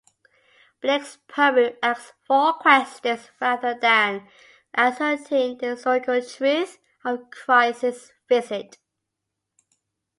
Blake's poem asks four questions rather than asserting the historical truth of Christ's visit.